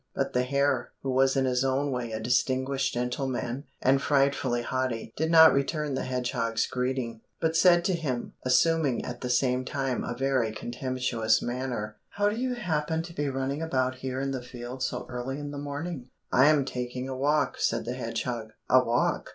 But the hare, who was in his own way a distinguished gentleman, and frightfully haughty, did not return the hedgehog's greeting, but said to him, assuming at the same time a very contemptuous manner, "How do you happen to be running about here in the field so early in the morning?" "I am taking a walk," said the hedgehog. "A walk!"